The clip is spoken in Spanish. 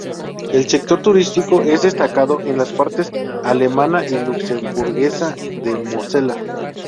El sector turístico es destacado en las partes alemana y luxemburguesa del Mosela.